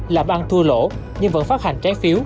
làm ăn thua lỗ nhưng vẫn phát hành trái phiếu